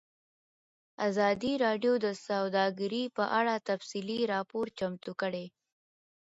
ازادي راډیو د سوداګري په اړه تفصیلي راپور چمتو کړی.